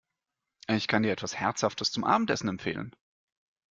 Ich kann dir etwas Herzhaftes zum Abendessen empfehlen!